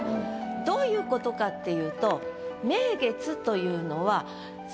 どういうことかっていうと。